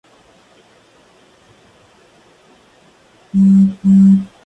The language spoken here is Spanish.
El último volvió a ser convocado unos meses más tarde.